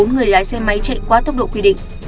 bốn người lái xe máy chạy quá tốc độ quy định